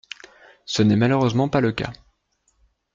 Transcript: Ce n’est malheureusement pas le cas.